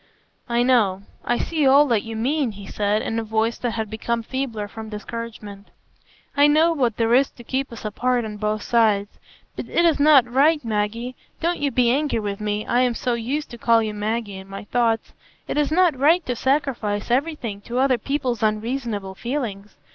"I know; I see all that you mean," he said, in a voice that had become feebler from discouragement; "I know what there is to keep us apart on both sides. But it is not right, Maggie,—don't you be angry with me, I am so used to call you Maggie in my thoughts,—it is not right to sacrifice everything to other people's unreasonable feelings.